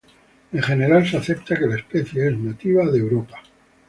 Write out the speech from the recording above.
En general se acepta que la especie es nativa de Europa.